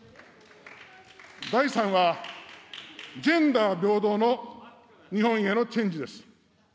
第３は、ジェンダー平等の日本へのチェンジです。